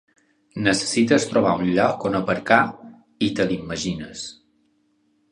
Necessites trobar un lloc on aparcar, i te l'imagines.